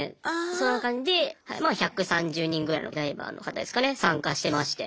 そんな感じでまあ１３０人ぐらいのライバーの方ですかね参加してまして。